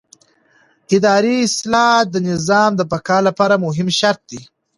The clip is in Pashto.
اداري اصلاح د نظام د بقا لپاره مهم شرط دی